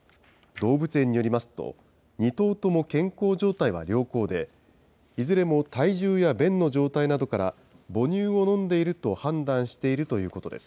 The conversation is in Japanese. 動物園によりますと、２頭とも健康状態は良好で、いずれも体重や便の状態などから、母乳を飲んでいると判断しているということです。